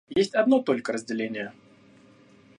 Есть одно только разделение.